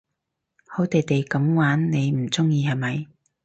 好地地噉玩你唔中意係咪？